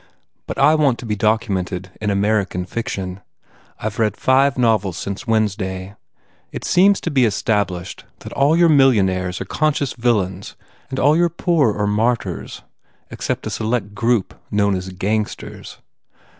But I want to be documented in American fiction. I ve read five novels since Wednesday. It seems to be established that all your millionaires are conscious villains and all your poor are martyrs except a select group known as gangsters.